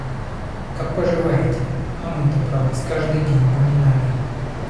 Как поживаете? А мы-то про вас каждый день поминали.